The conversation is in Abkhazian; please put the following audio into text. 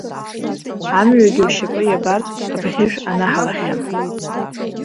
Амҩагьы ушьапы иабартә абӷьыжә анаҳалахьан.